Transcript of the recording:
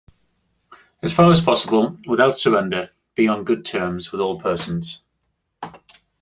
As far as possible, without surrender, be on good terms with all persons.